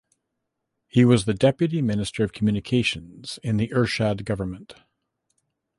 He was the Deputy Minister of Communications in the Ershad government.